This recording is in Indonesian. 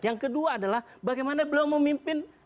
yang kedua adalah bagaimana beliau memimpin